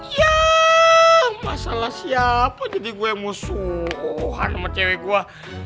ya masalah siapa jadi gue musuhan sama cewek gue